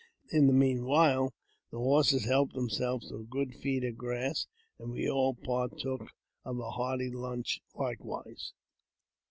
In the meanwhile, the horses helped themselves to a good feed of grass, and we all partook of a hearty lunch likewise.